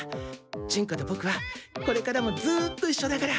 ジュンコとボクはこれからもずっといっしょだから。